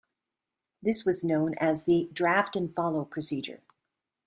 This was known as the "draft-and-follow" procedure.